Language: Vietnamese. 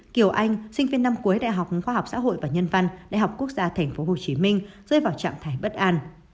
kiều anh sinh viên năm cuối đại học khoa học xã hội và nhân văn đại học quốc gia tp hcm rơi vào trạng thái bất an